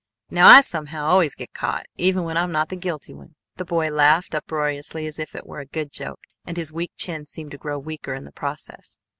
Now I, somehow, always get caught, even when I'm not the guilty one." The boy laughed unroariously as if it were a good joke, and his weak chin seemed to grow weaker in the process.